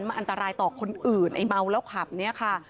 มันอันตรายต่อคนอื่นไอ้เมาแล้วขับเนี่ยค่ะ